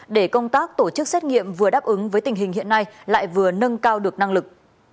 để công tác tổ chức xét nghiệm vừa đáp ứng với tình hình hiện nay lại vừa nâng cao được năng lực